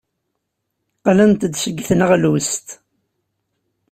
Qqlent-d seg tneɣlust.